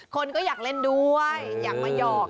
คนก็อยากเล่นด้วยอยากมาหยอก